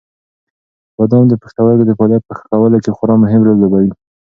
بادام د پښتورګو د فعالیت په ښه کولو کې خورا مهم رول لوبوي.